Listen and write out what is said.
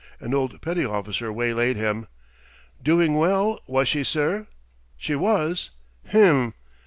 An old petty officer waylaid him. Doing well, was she, sir? She was. Hem!